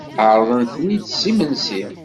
Ɛerḍen-ten-id s imensi.